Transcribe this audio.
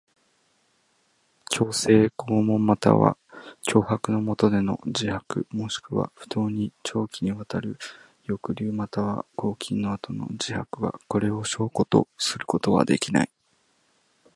強制、拷問または脅迫のもとでの自白もしくは不当に長期にわたる抑留または拘禁の後の自白は、これを証拠とすることはできない。